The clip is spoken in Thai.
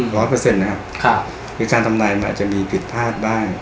ร้อยเปอร์เซ็นต์นะครับคือการทำนายมันอาจจะมีผิดพลาดบ้าง